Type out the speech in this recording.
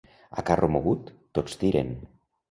A carro mogut, tots tiren.